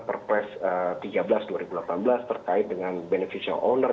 perpres tiga belas dua ribu delapan belas terkait dengan beneficial owner